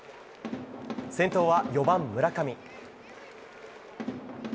先頭は４番、村上。